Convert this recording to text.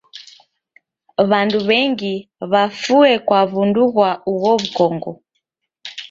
W'andu w'engi w'afue kwa w'undu ghwa ugho w'ukongo.